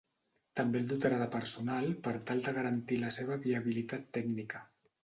També el dotarà de personal per tal de garantir la seva viabilitat tècnica.